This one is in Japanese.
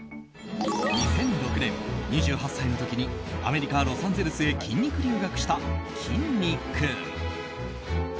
２００６年、２８歳の時にアメリカ・ロサンゼルスへ筋肉留学した、きんに君。